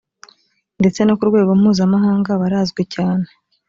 ndetse no ku rwego mpuzamahanga barazwi cyane